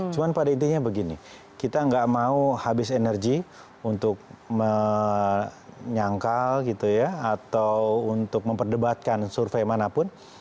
cuma pada intinya begini kita nggak mau habis energi untuk menyangkal gitu ya atau untuk memperdebatkan survei manapun